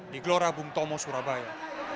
di glorabung tomo surabaya